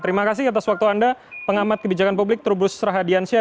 terima kasih atas waktu anda pengamat kebijakan publik trubus rahadiansyah